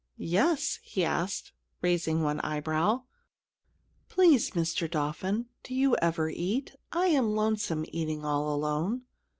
"Yes?" he asked, raising one eyebrow. "Please, Mr. Dolphin, do you ever eat? I am lonesome, eating all alone."